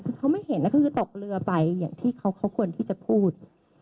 คือเขาไม่เห็นแล้วก็คือตกเรือไปอย่างที่เขาควรที่จะพูด